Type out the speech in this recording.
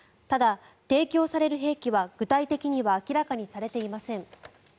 ただ、提供される兵器は具体的には明らかにされていません。